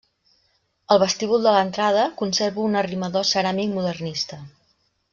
El vestíbul de l'entrada conserva un arrimador ceràmic modernista.